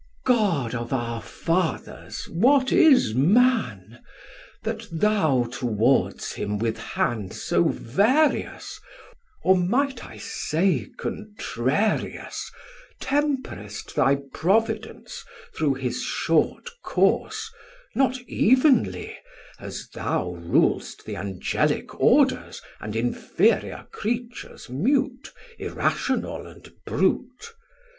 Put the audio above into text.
God of our Fathers, what is man! That thou towards him with hand so various, Or might I say contrarious, Temperst thy providence through his short course, 670 Not evenly, as thou rul'st The Angelic orders and inferiour creatures mute, Irrational and brute.